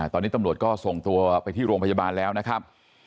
ตอนนี้ตำรวจก็ส่งตัวไปที่โรงพยาบาลแล้วนะครับ